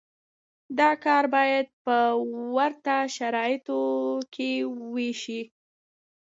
دا کار باید په ورته شرایطو کې وشي.